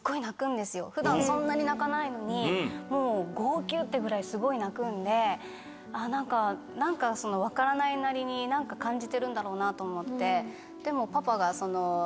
普段そんなに泣かないのに号泣ってぐらいすごい泣くんで何か分からないなりに何か感じてるんだろうなと思って。